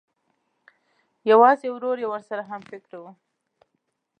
یوازې ورور یې ورسره همفکره و